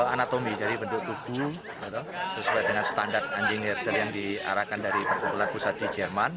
anatomi jadi bentuk tubuh sesuai dengan standar anjing herder yang diarahkan dari kepala kusati jerman